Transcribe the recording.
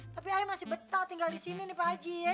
tapi ayah masih betah tinggal di sini nih pak haji ya